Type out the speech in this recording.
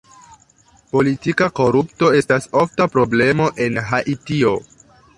Politika korupto estas ofta problemo en Haitio.